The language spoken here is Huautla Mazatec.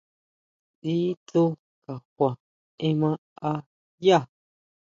Sí tsú kajua ema a yá.